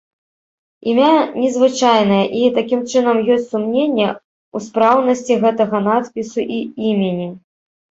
Імя незвычайнае і, такім чынам, ёсць сумненне ў сапраўднасці гэтага надпісу і імені.